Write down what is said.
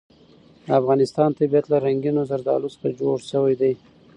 د افغانستان طبیعت له رنګینو زردالو څخه جوړ شوی دی.